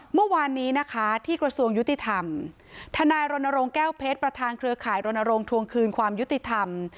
เมื่อวานนี้นะคะที่กระทรวงยุติธรรมทนายรณรงค์แก้วเพชรประธานเครือข่ายรณรงค์ทวงคืนความยุติธรรม